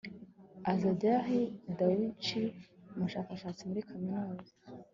Azadeh Dawachi umushakashatsi muri kaminuza